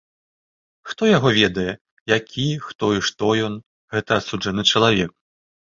Хто яго ведае, які, хто і што ён, гэты асуджаны чалавек.